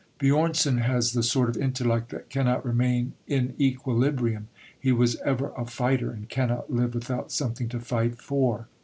Björnson has the sort of intellect that cannot remain in equilibrium. He was ever a fighter, and cannot live without something to fight for.